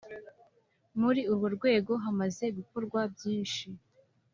Muri urwo rwego hamaze gukorwa byinshi